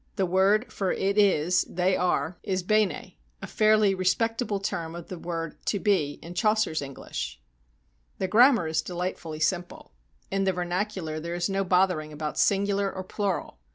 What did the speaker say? The word for "it is," "they are," is 195 RUSSIA beine, a fairly respectable form of the verb "to be" ii Chaucer's EngHsh. The grammar is delightfully simple. In the vernacu lar there is no bothering about singular or plural.